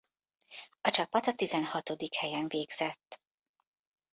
A csapat a tizenhatodik helyen végzett.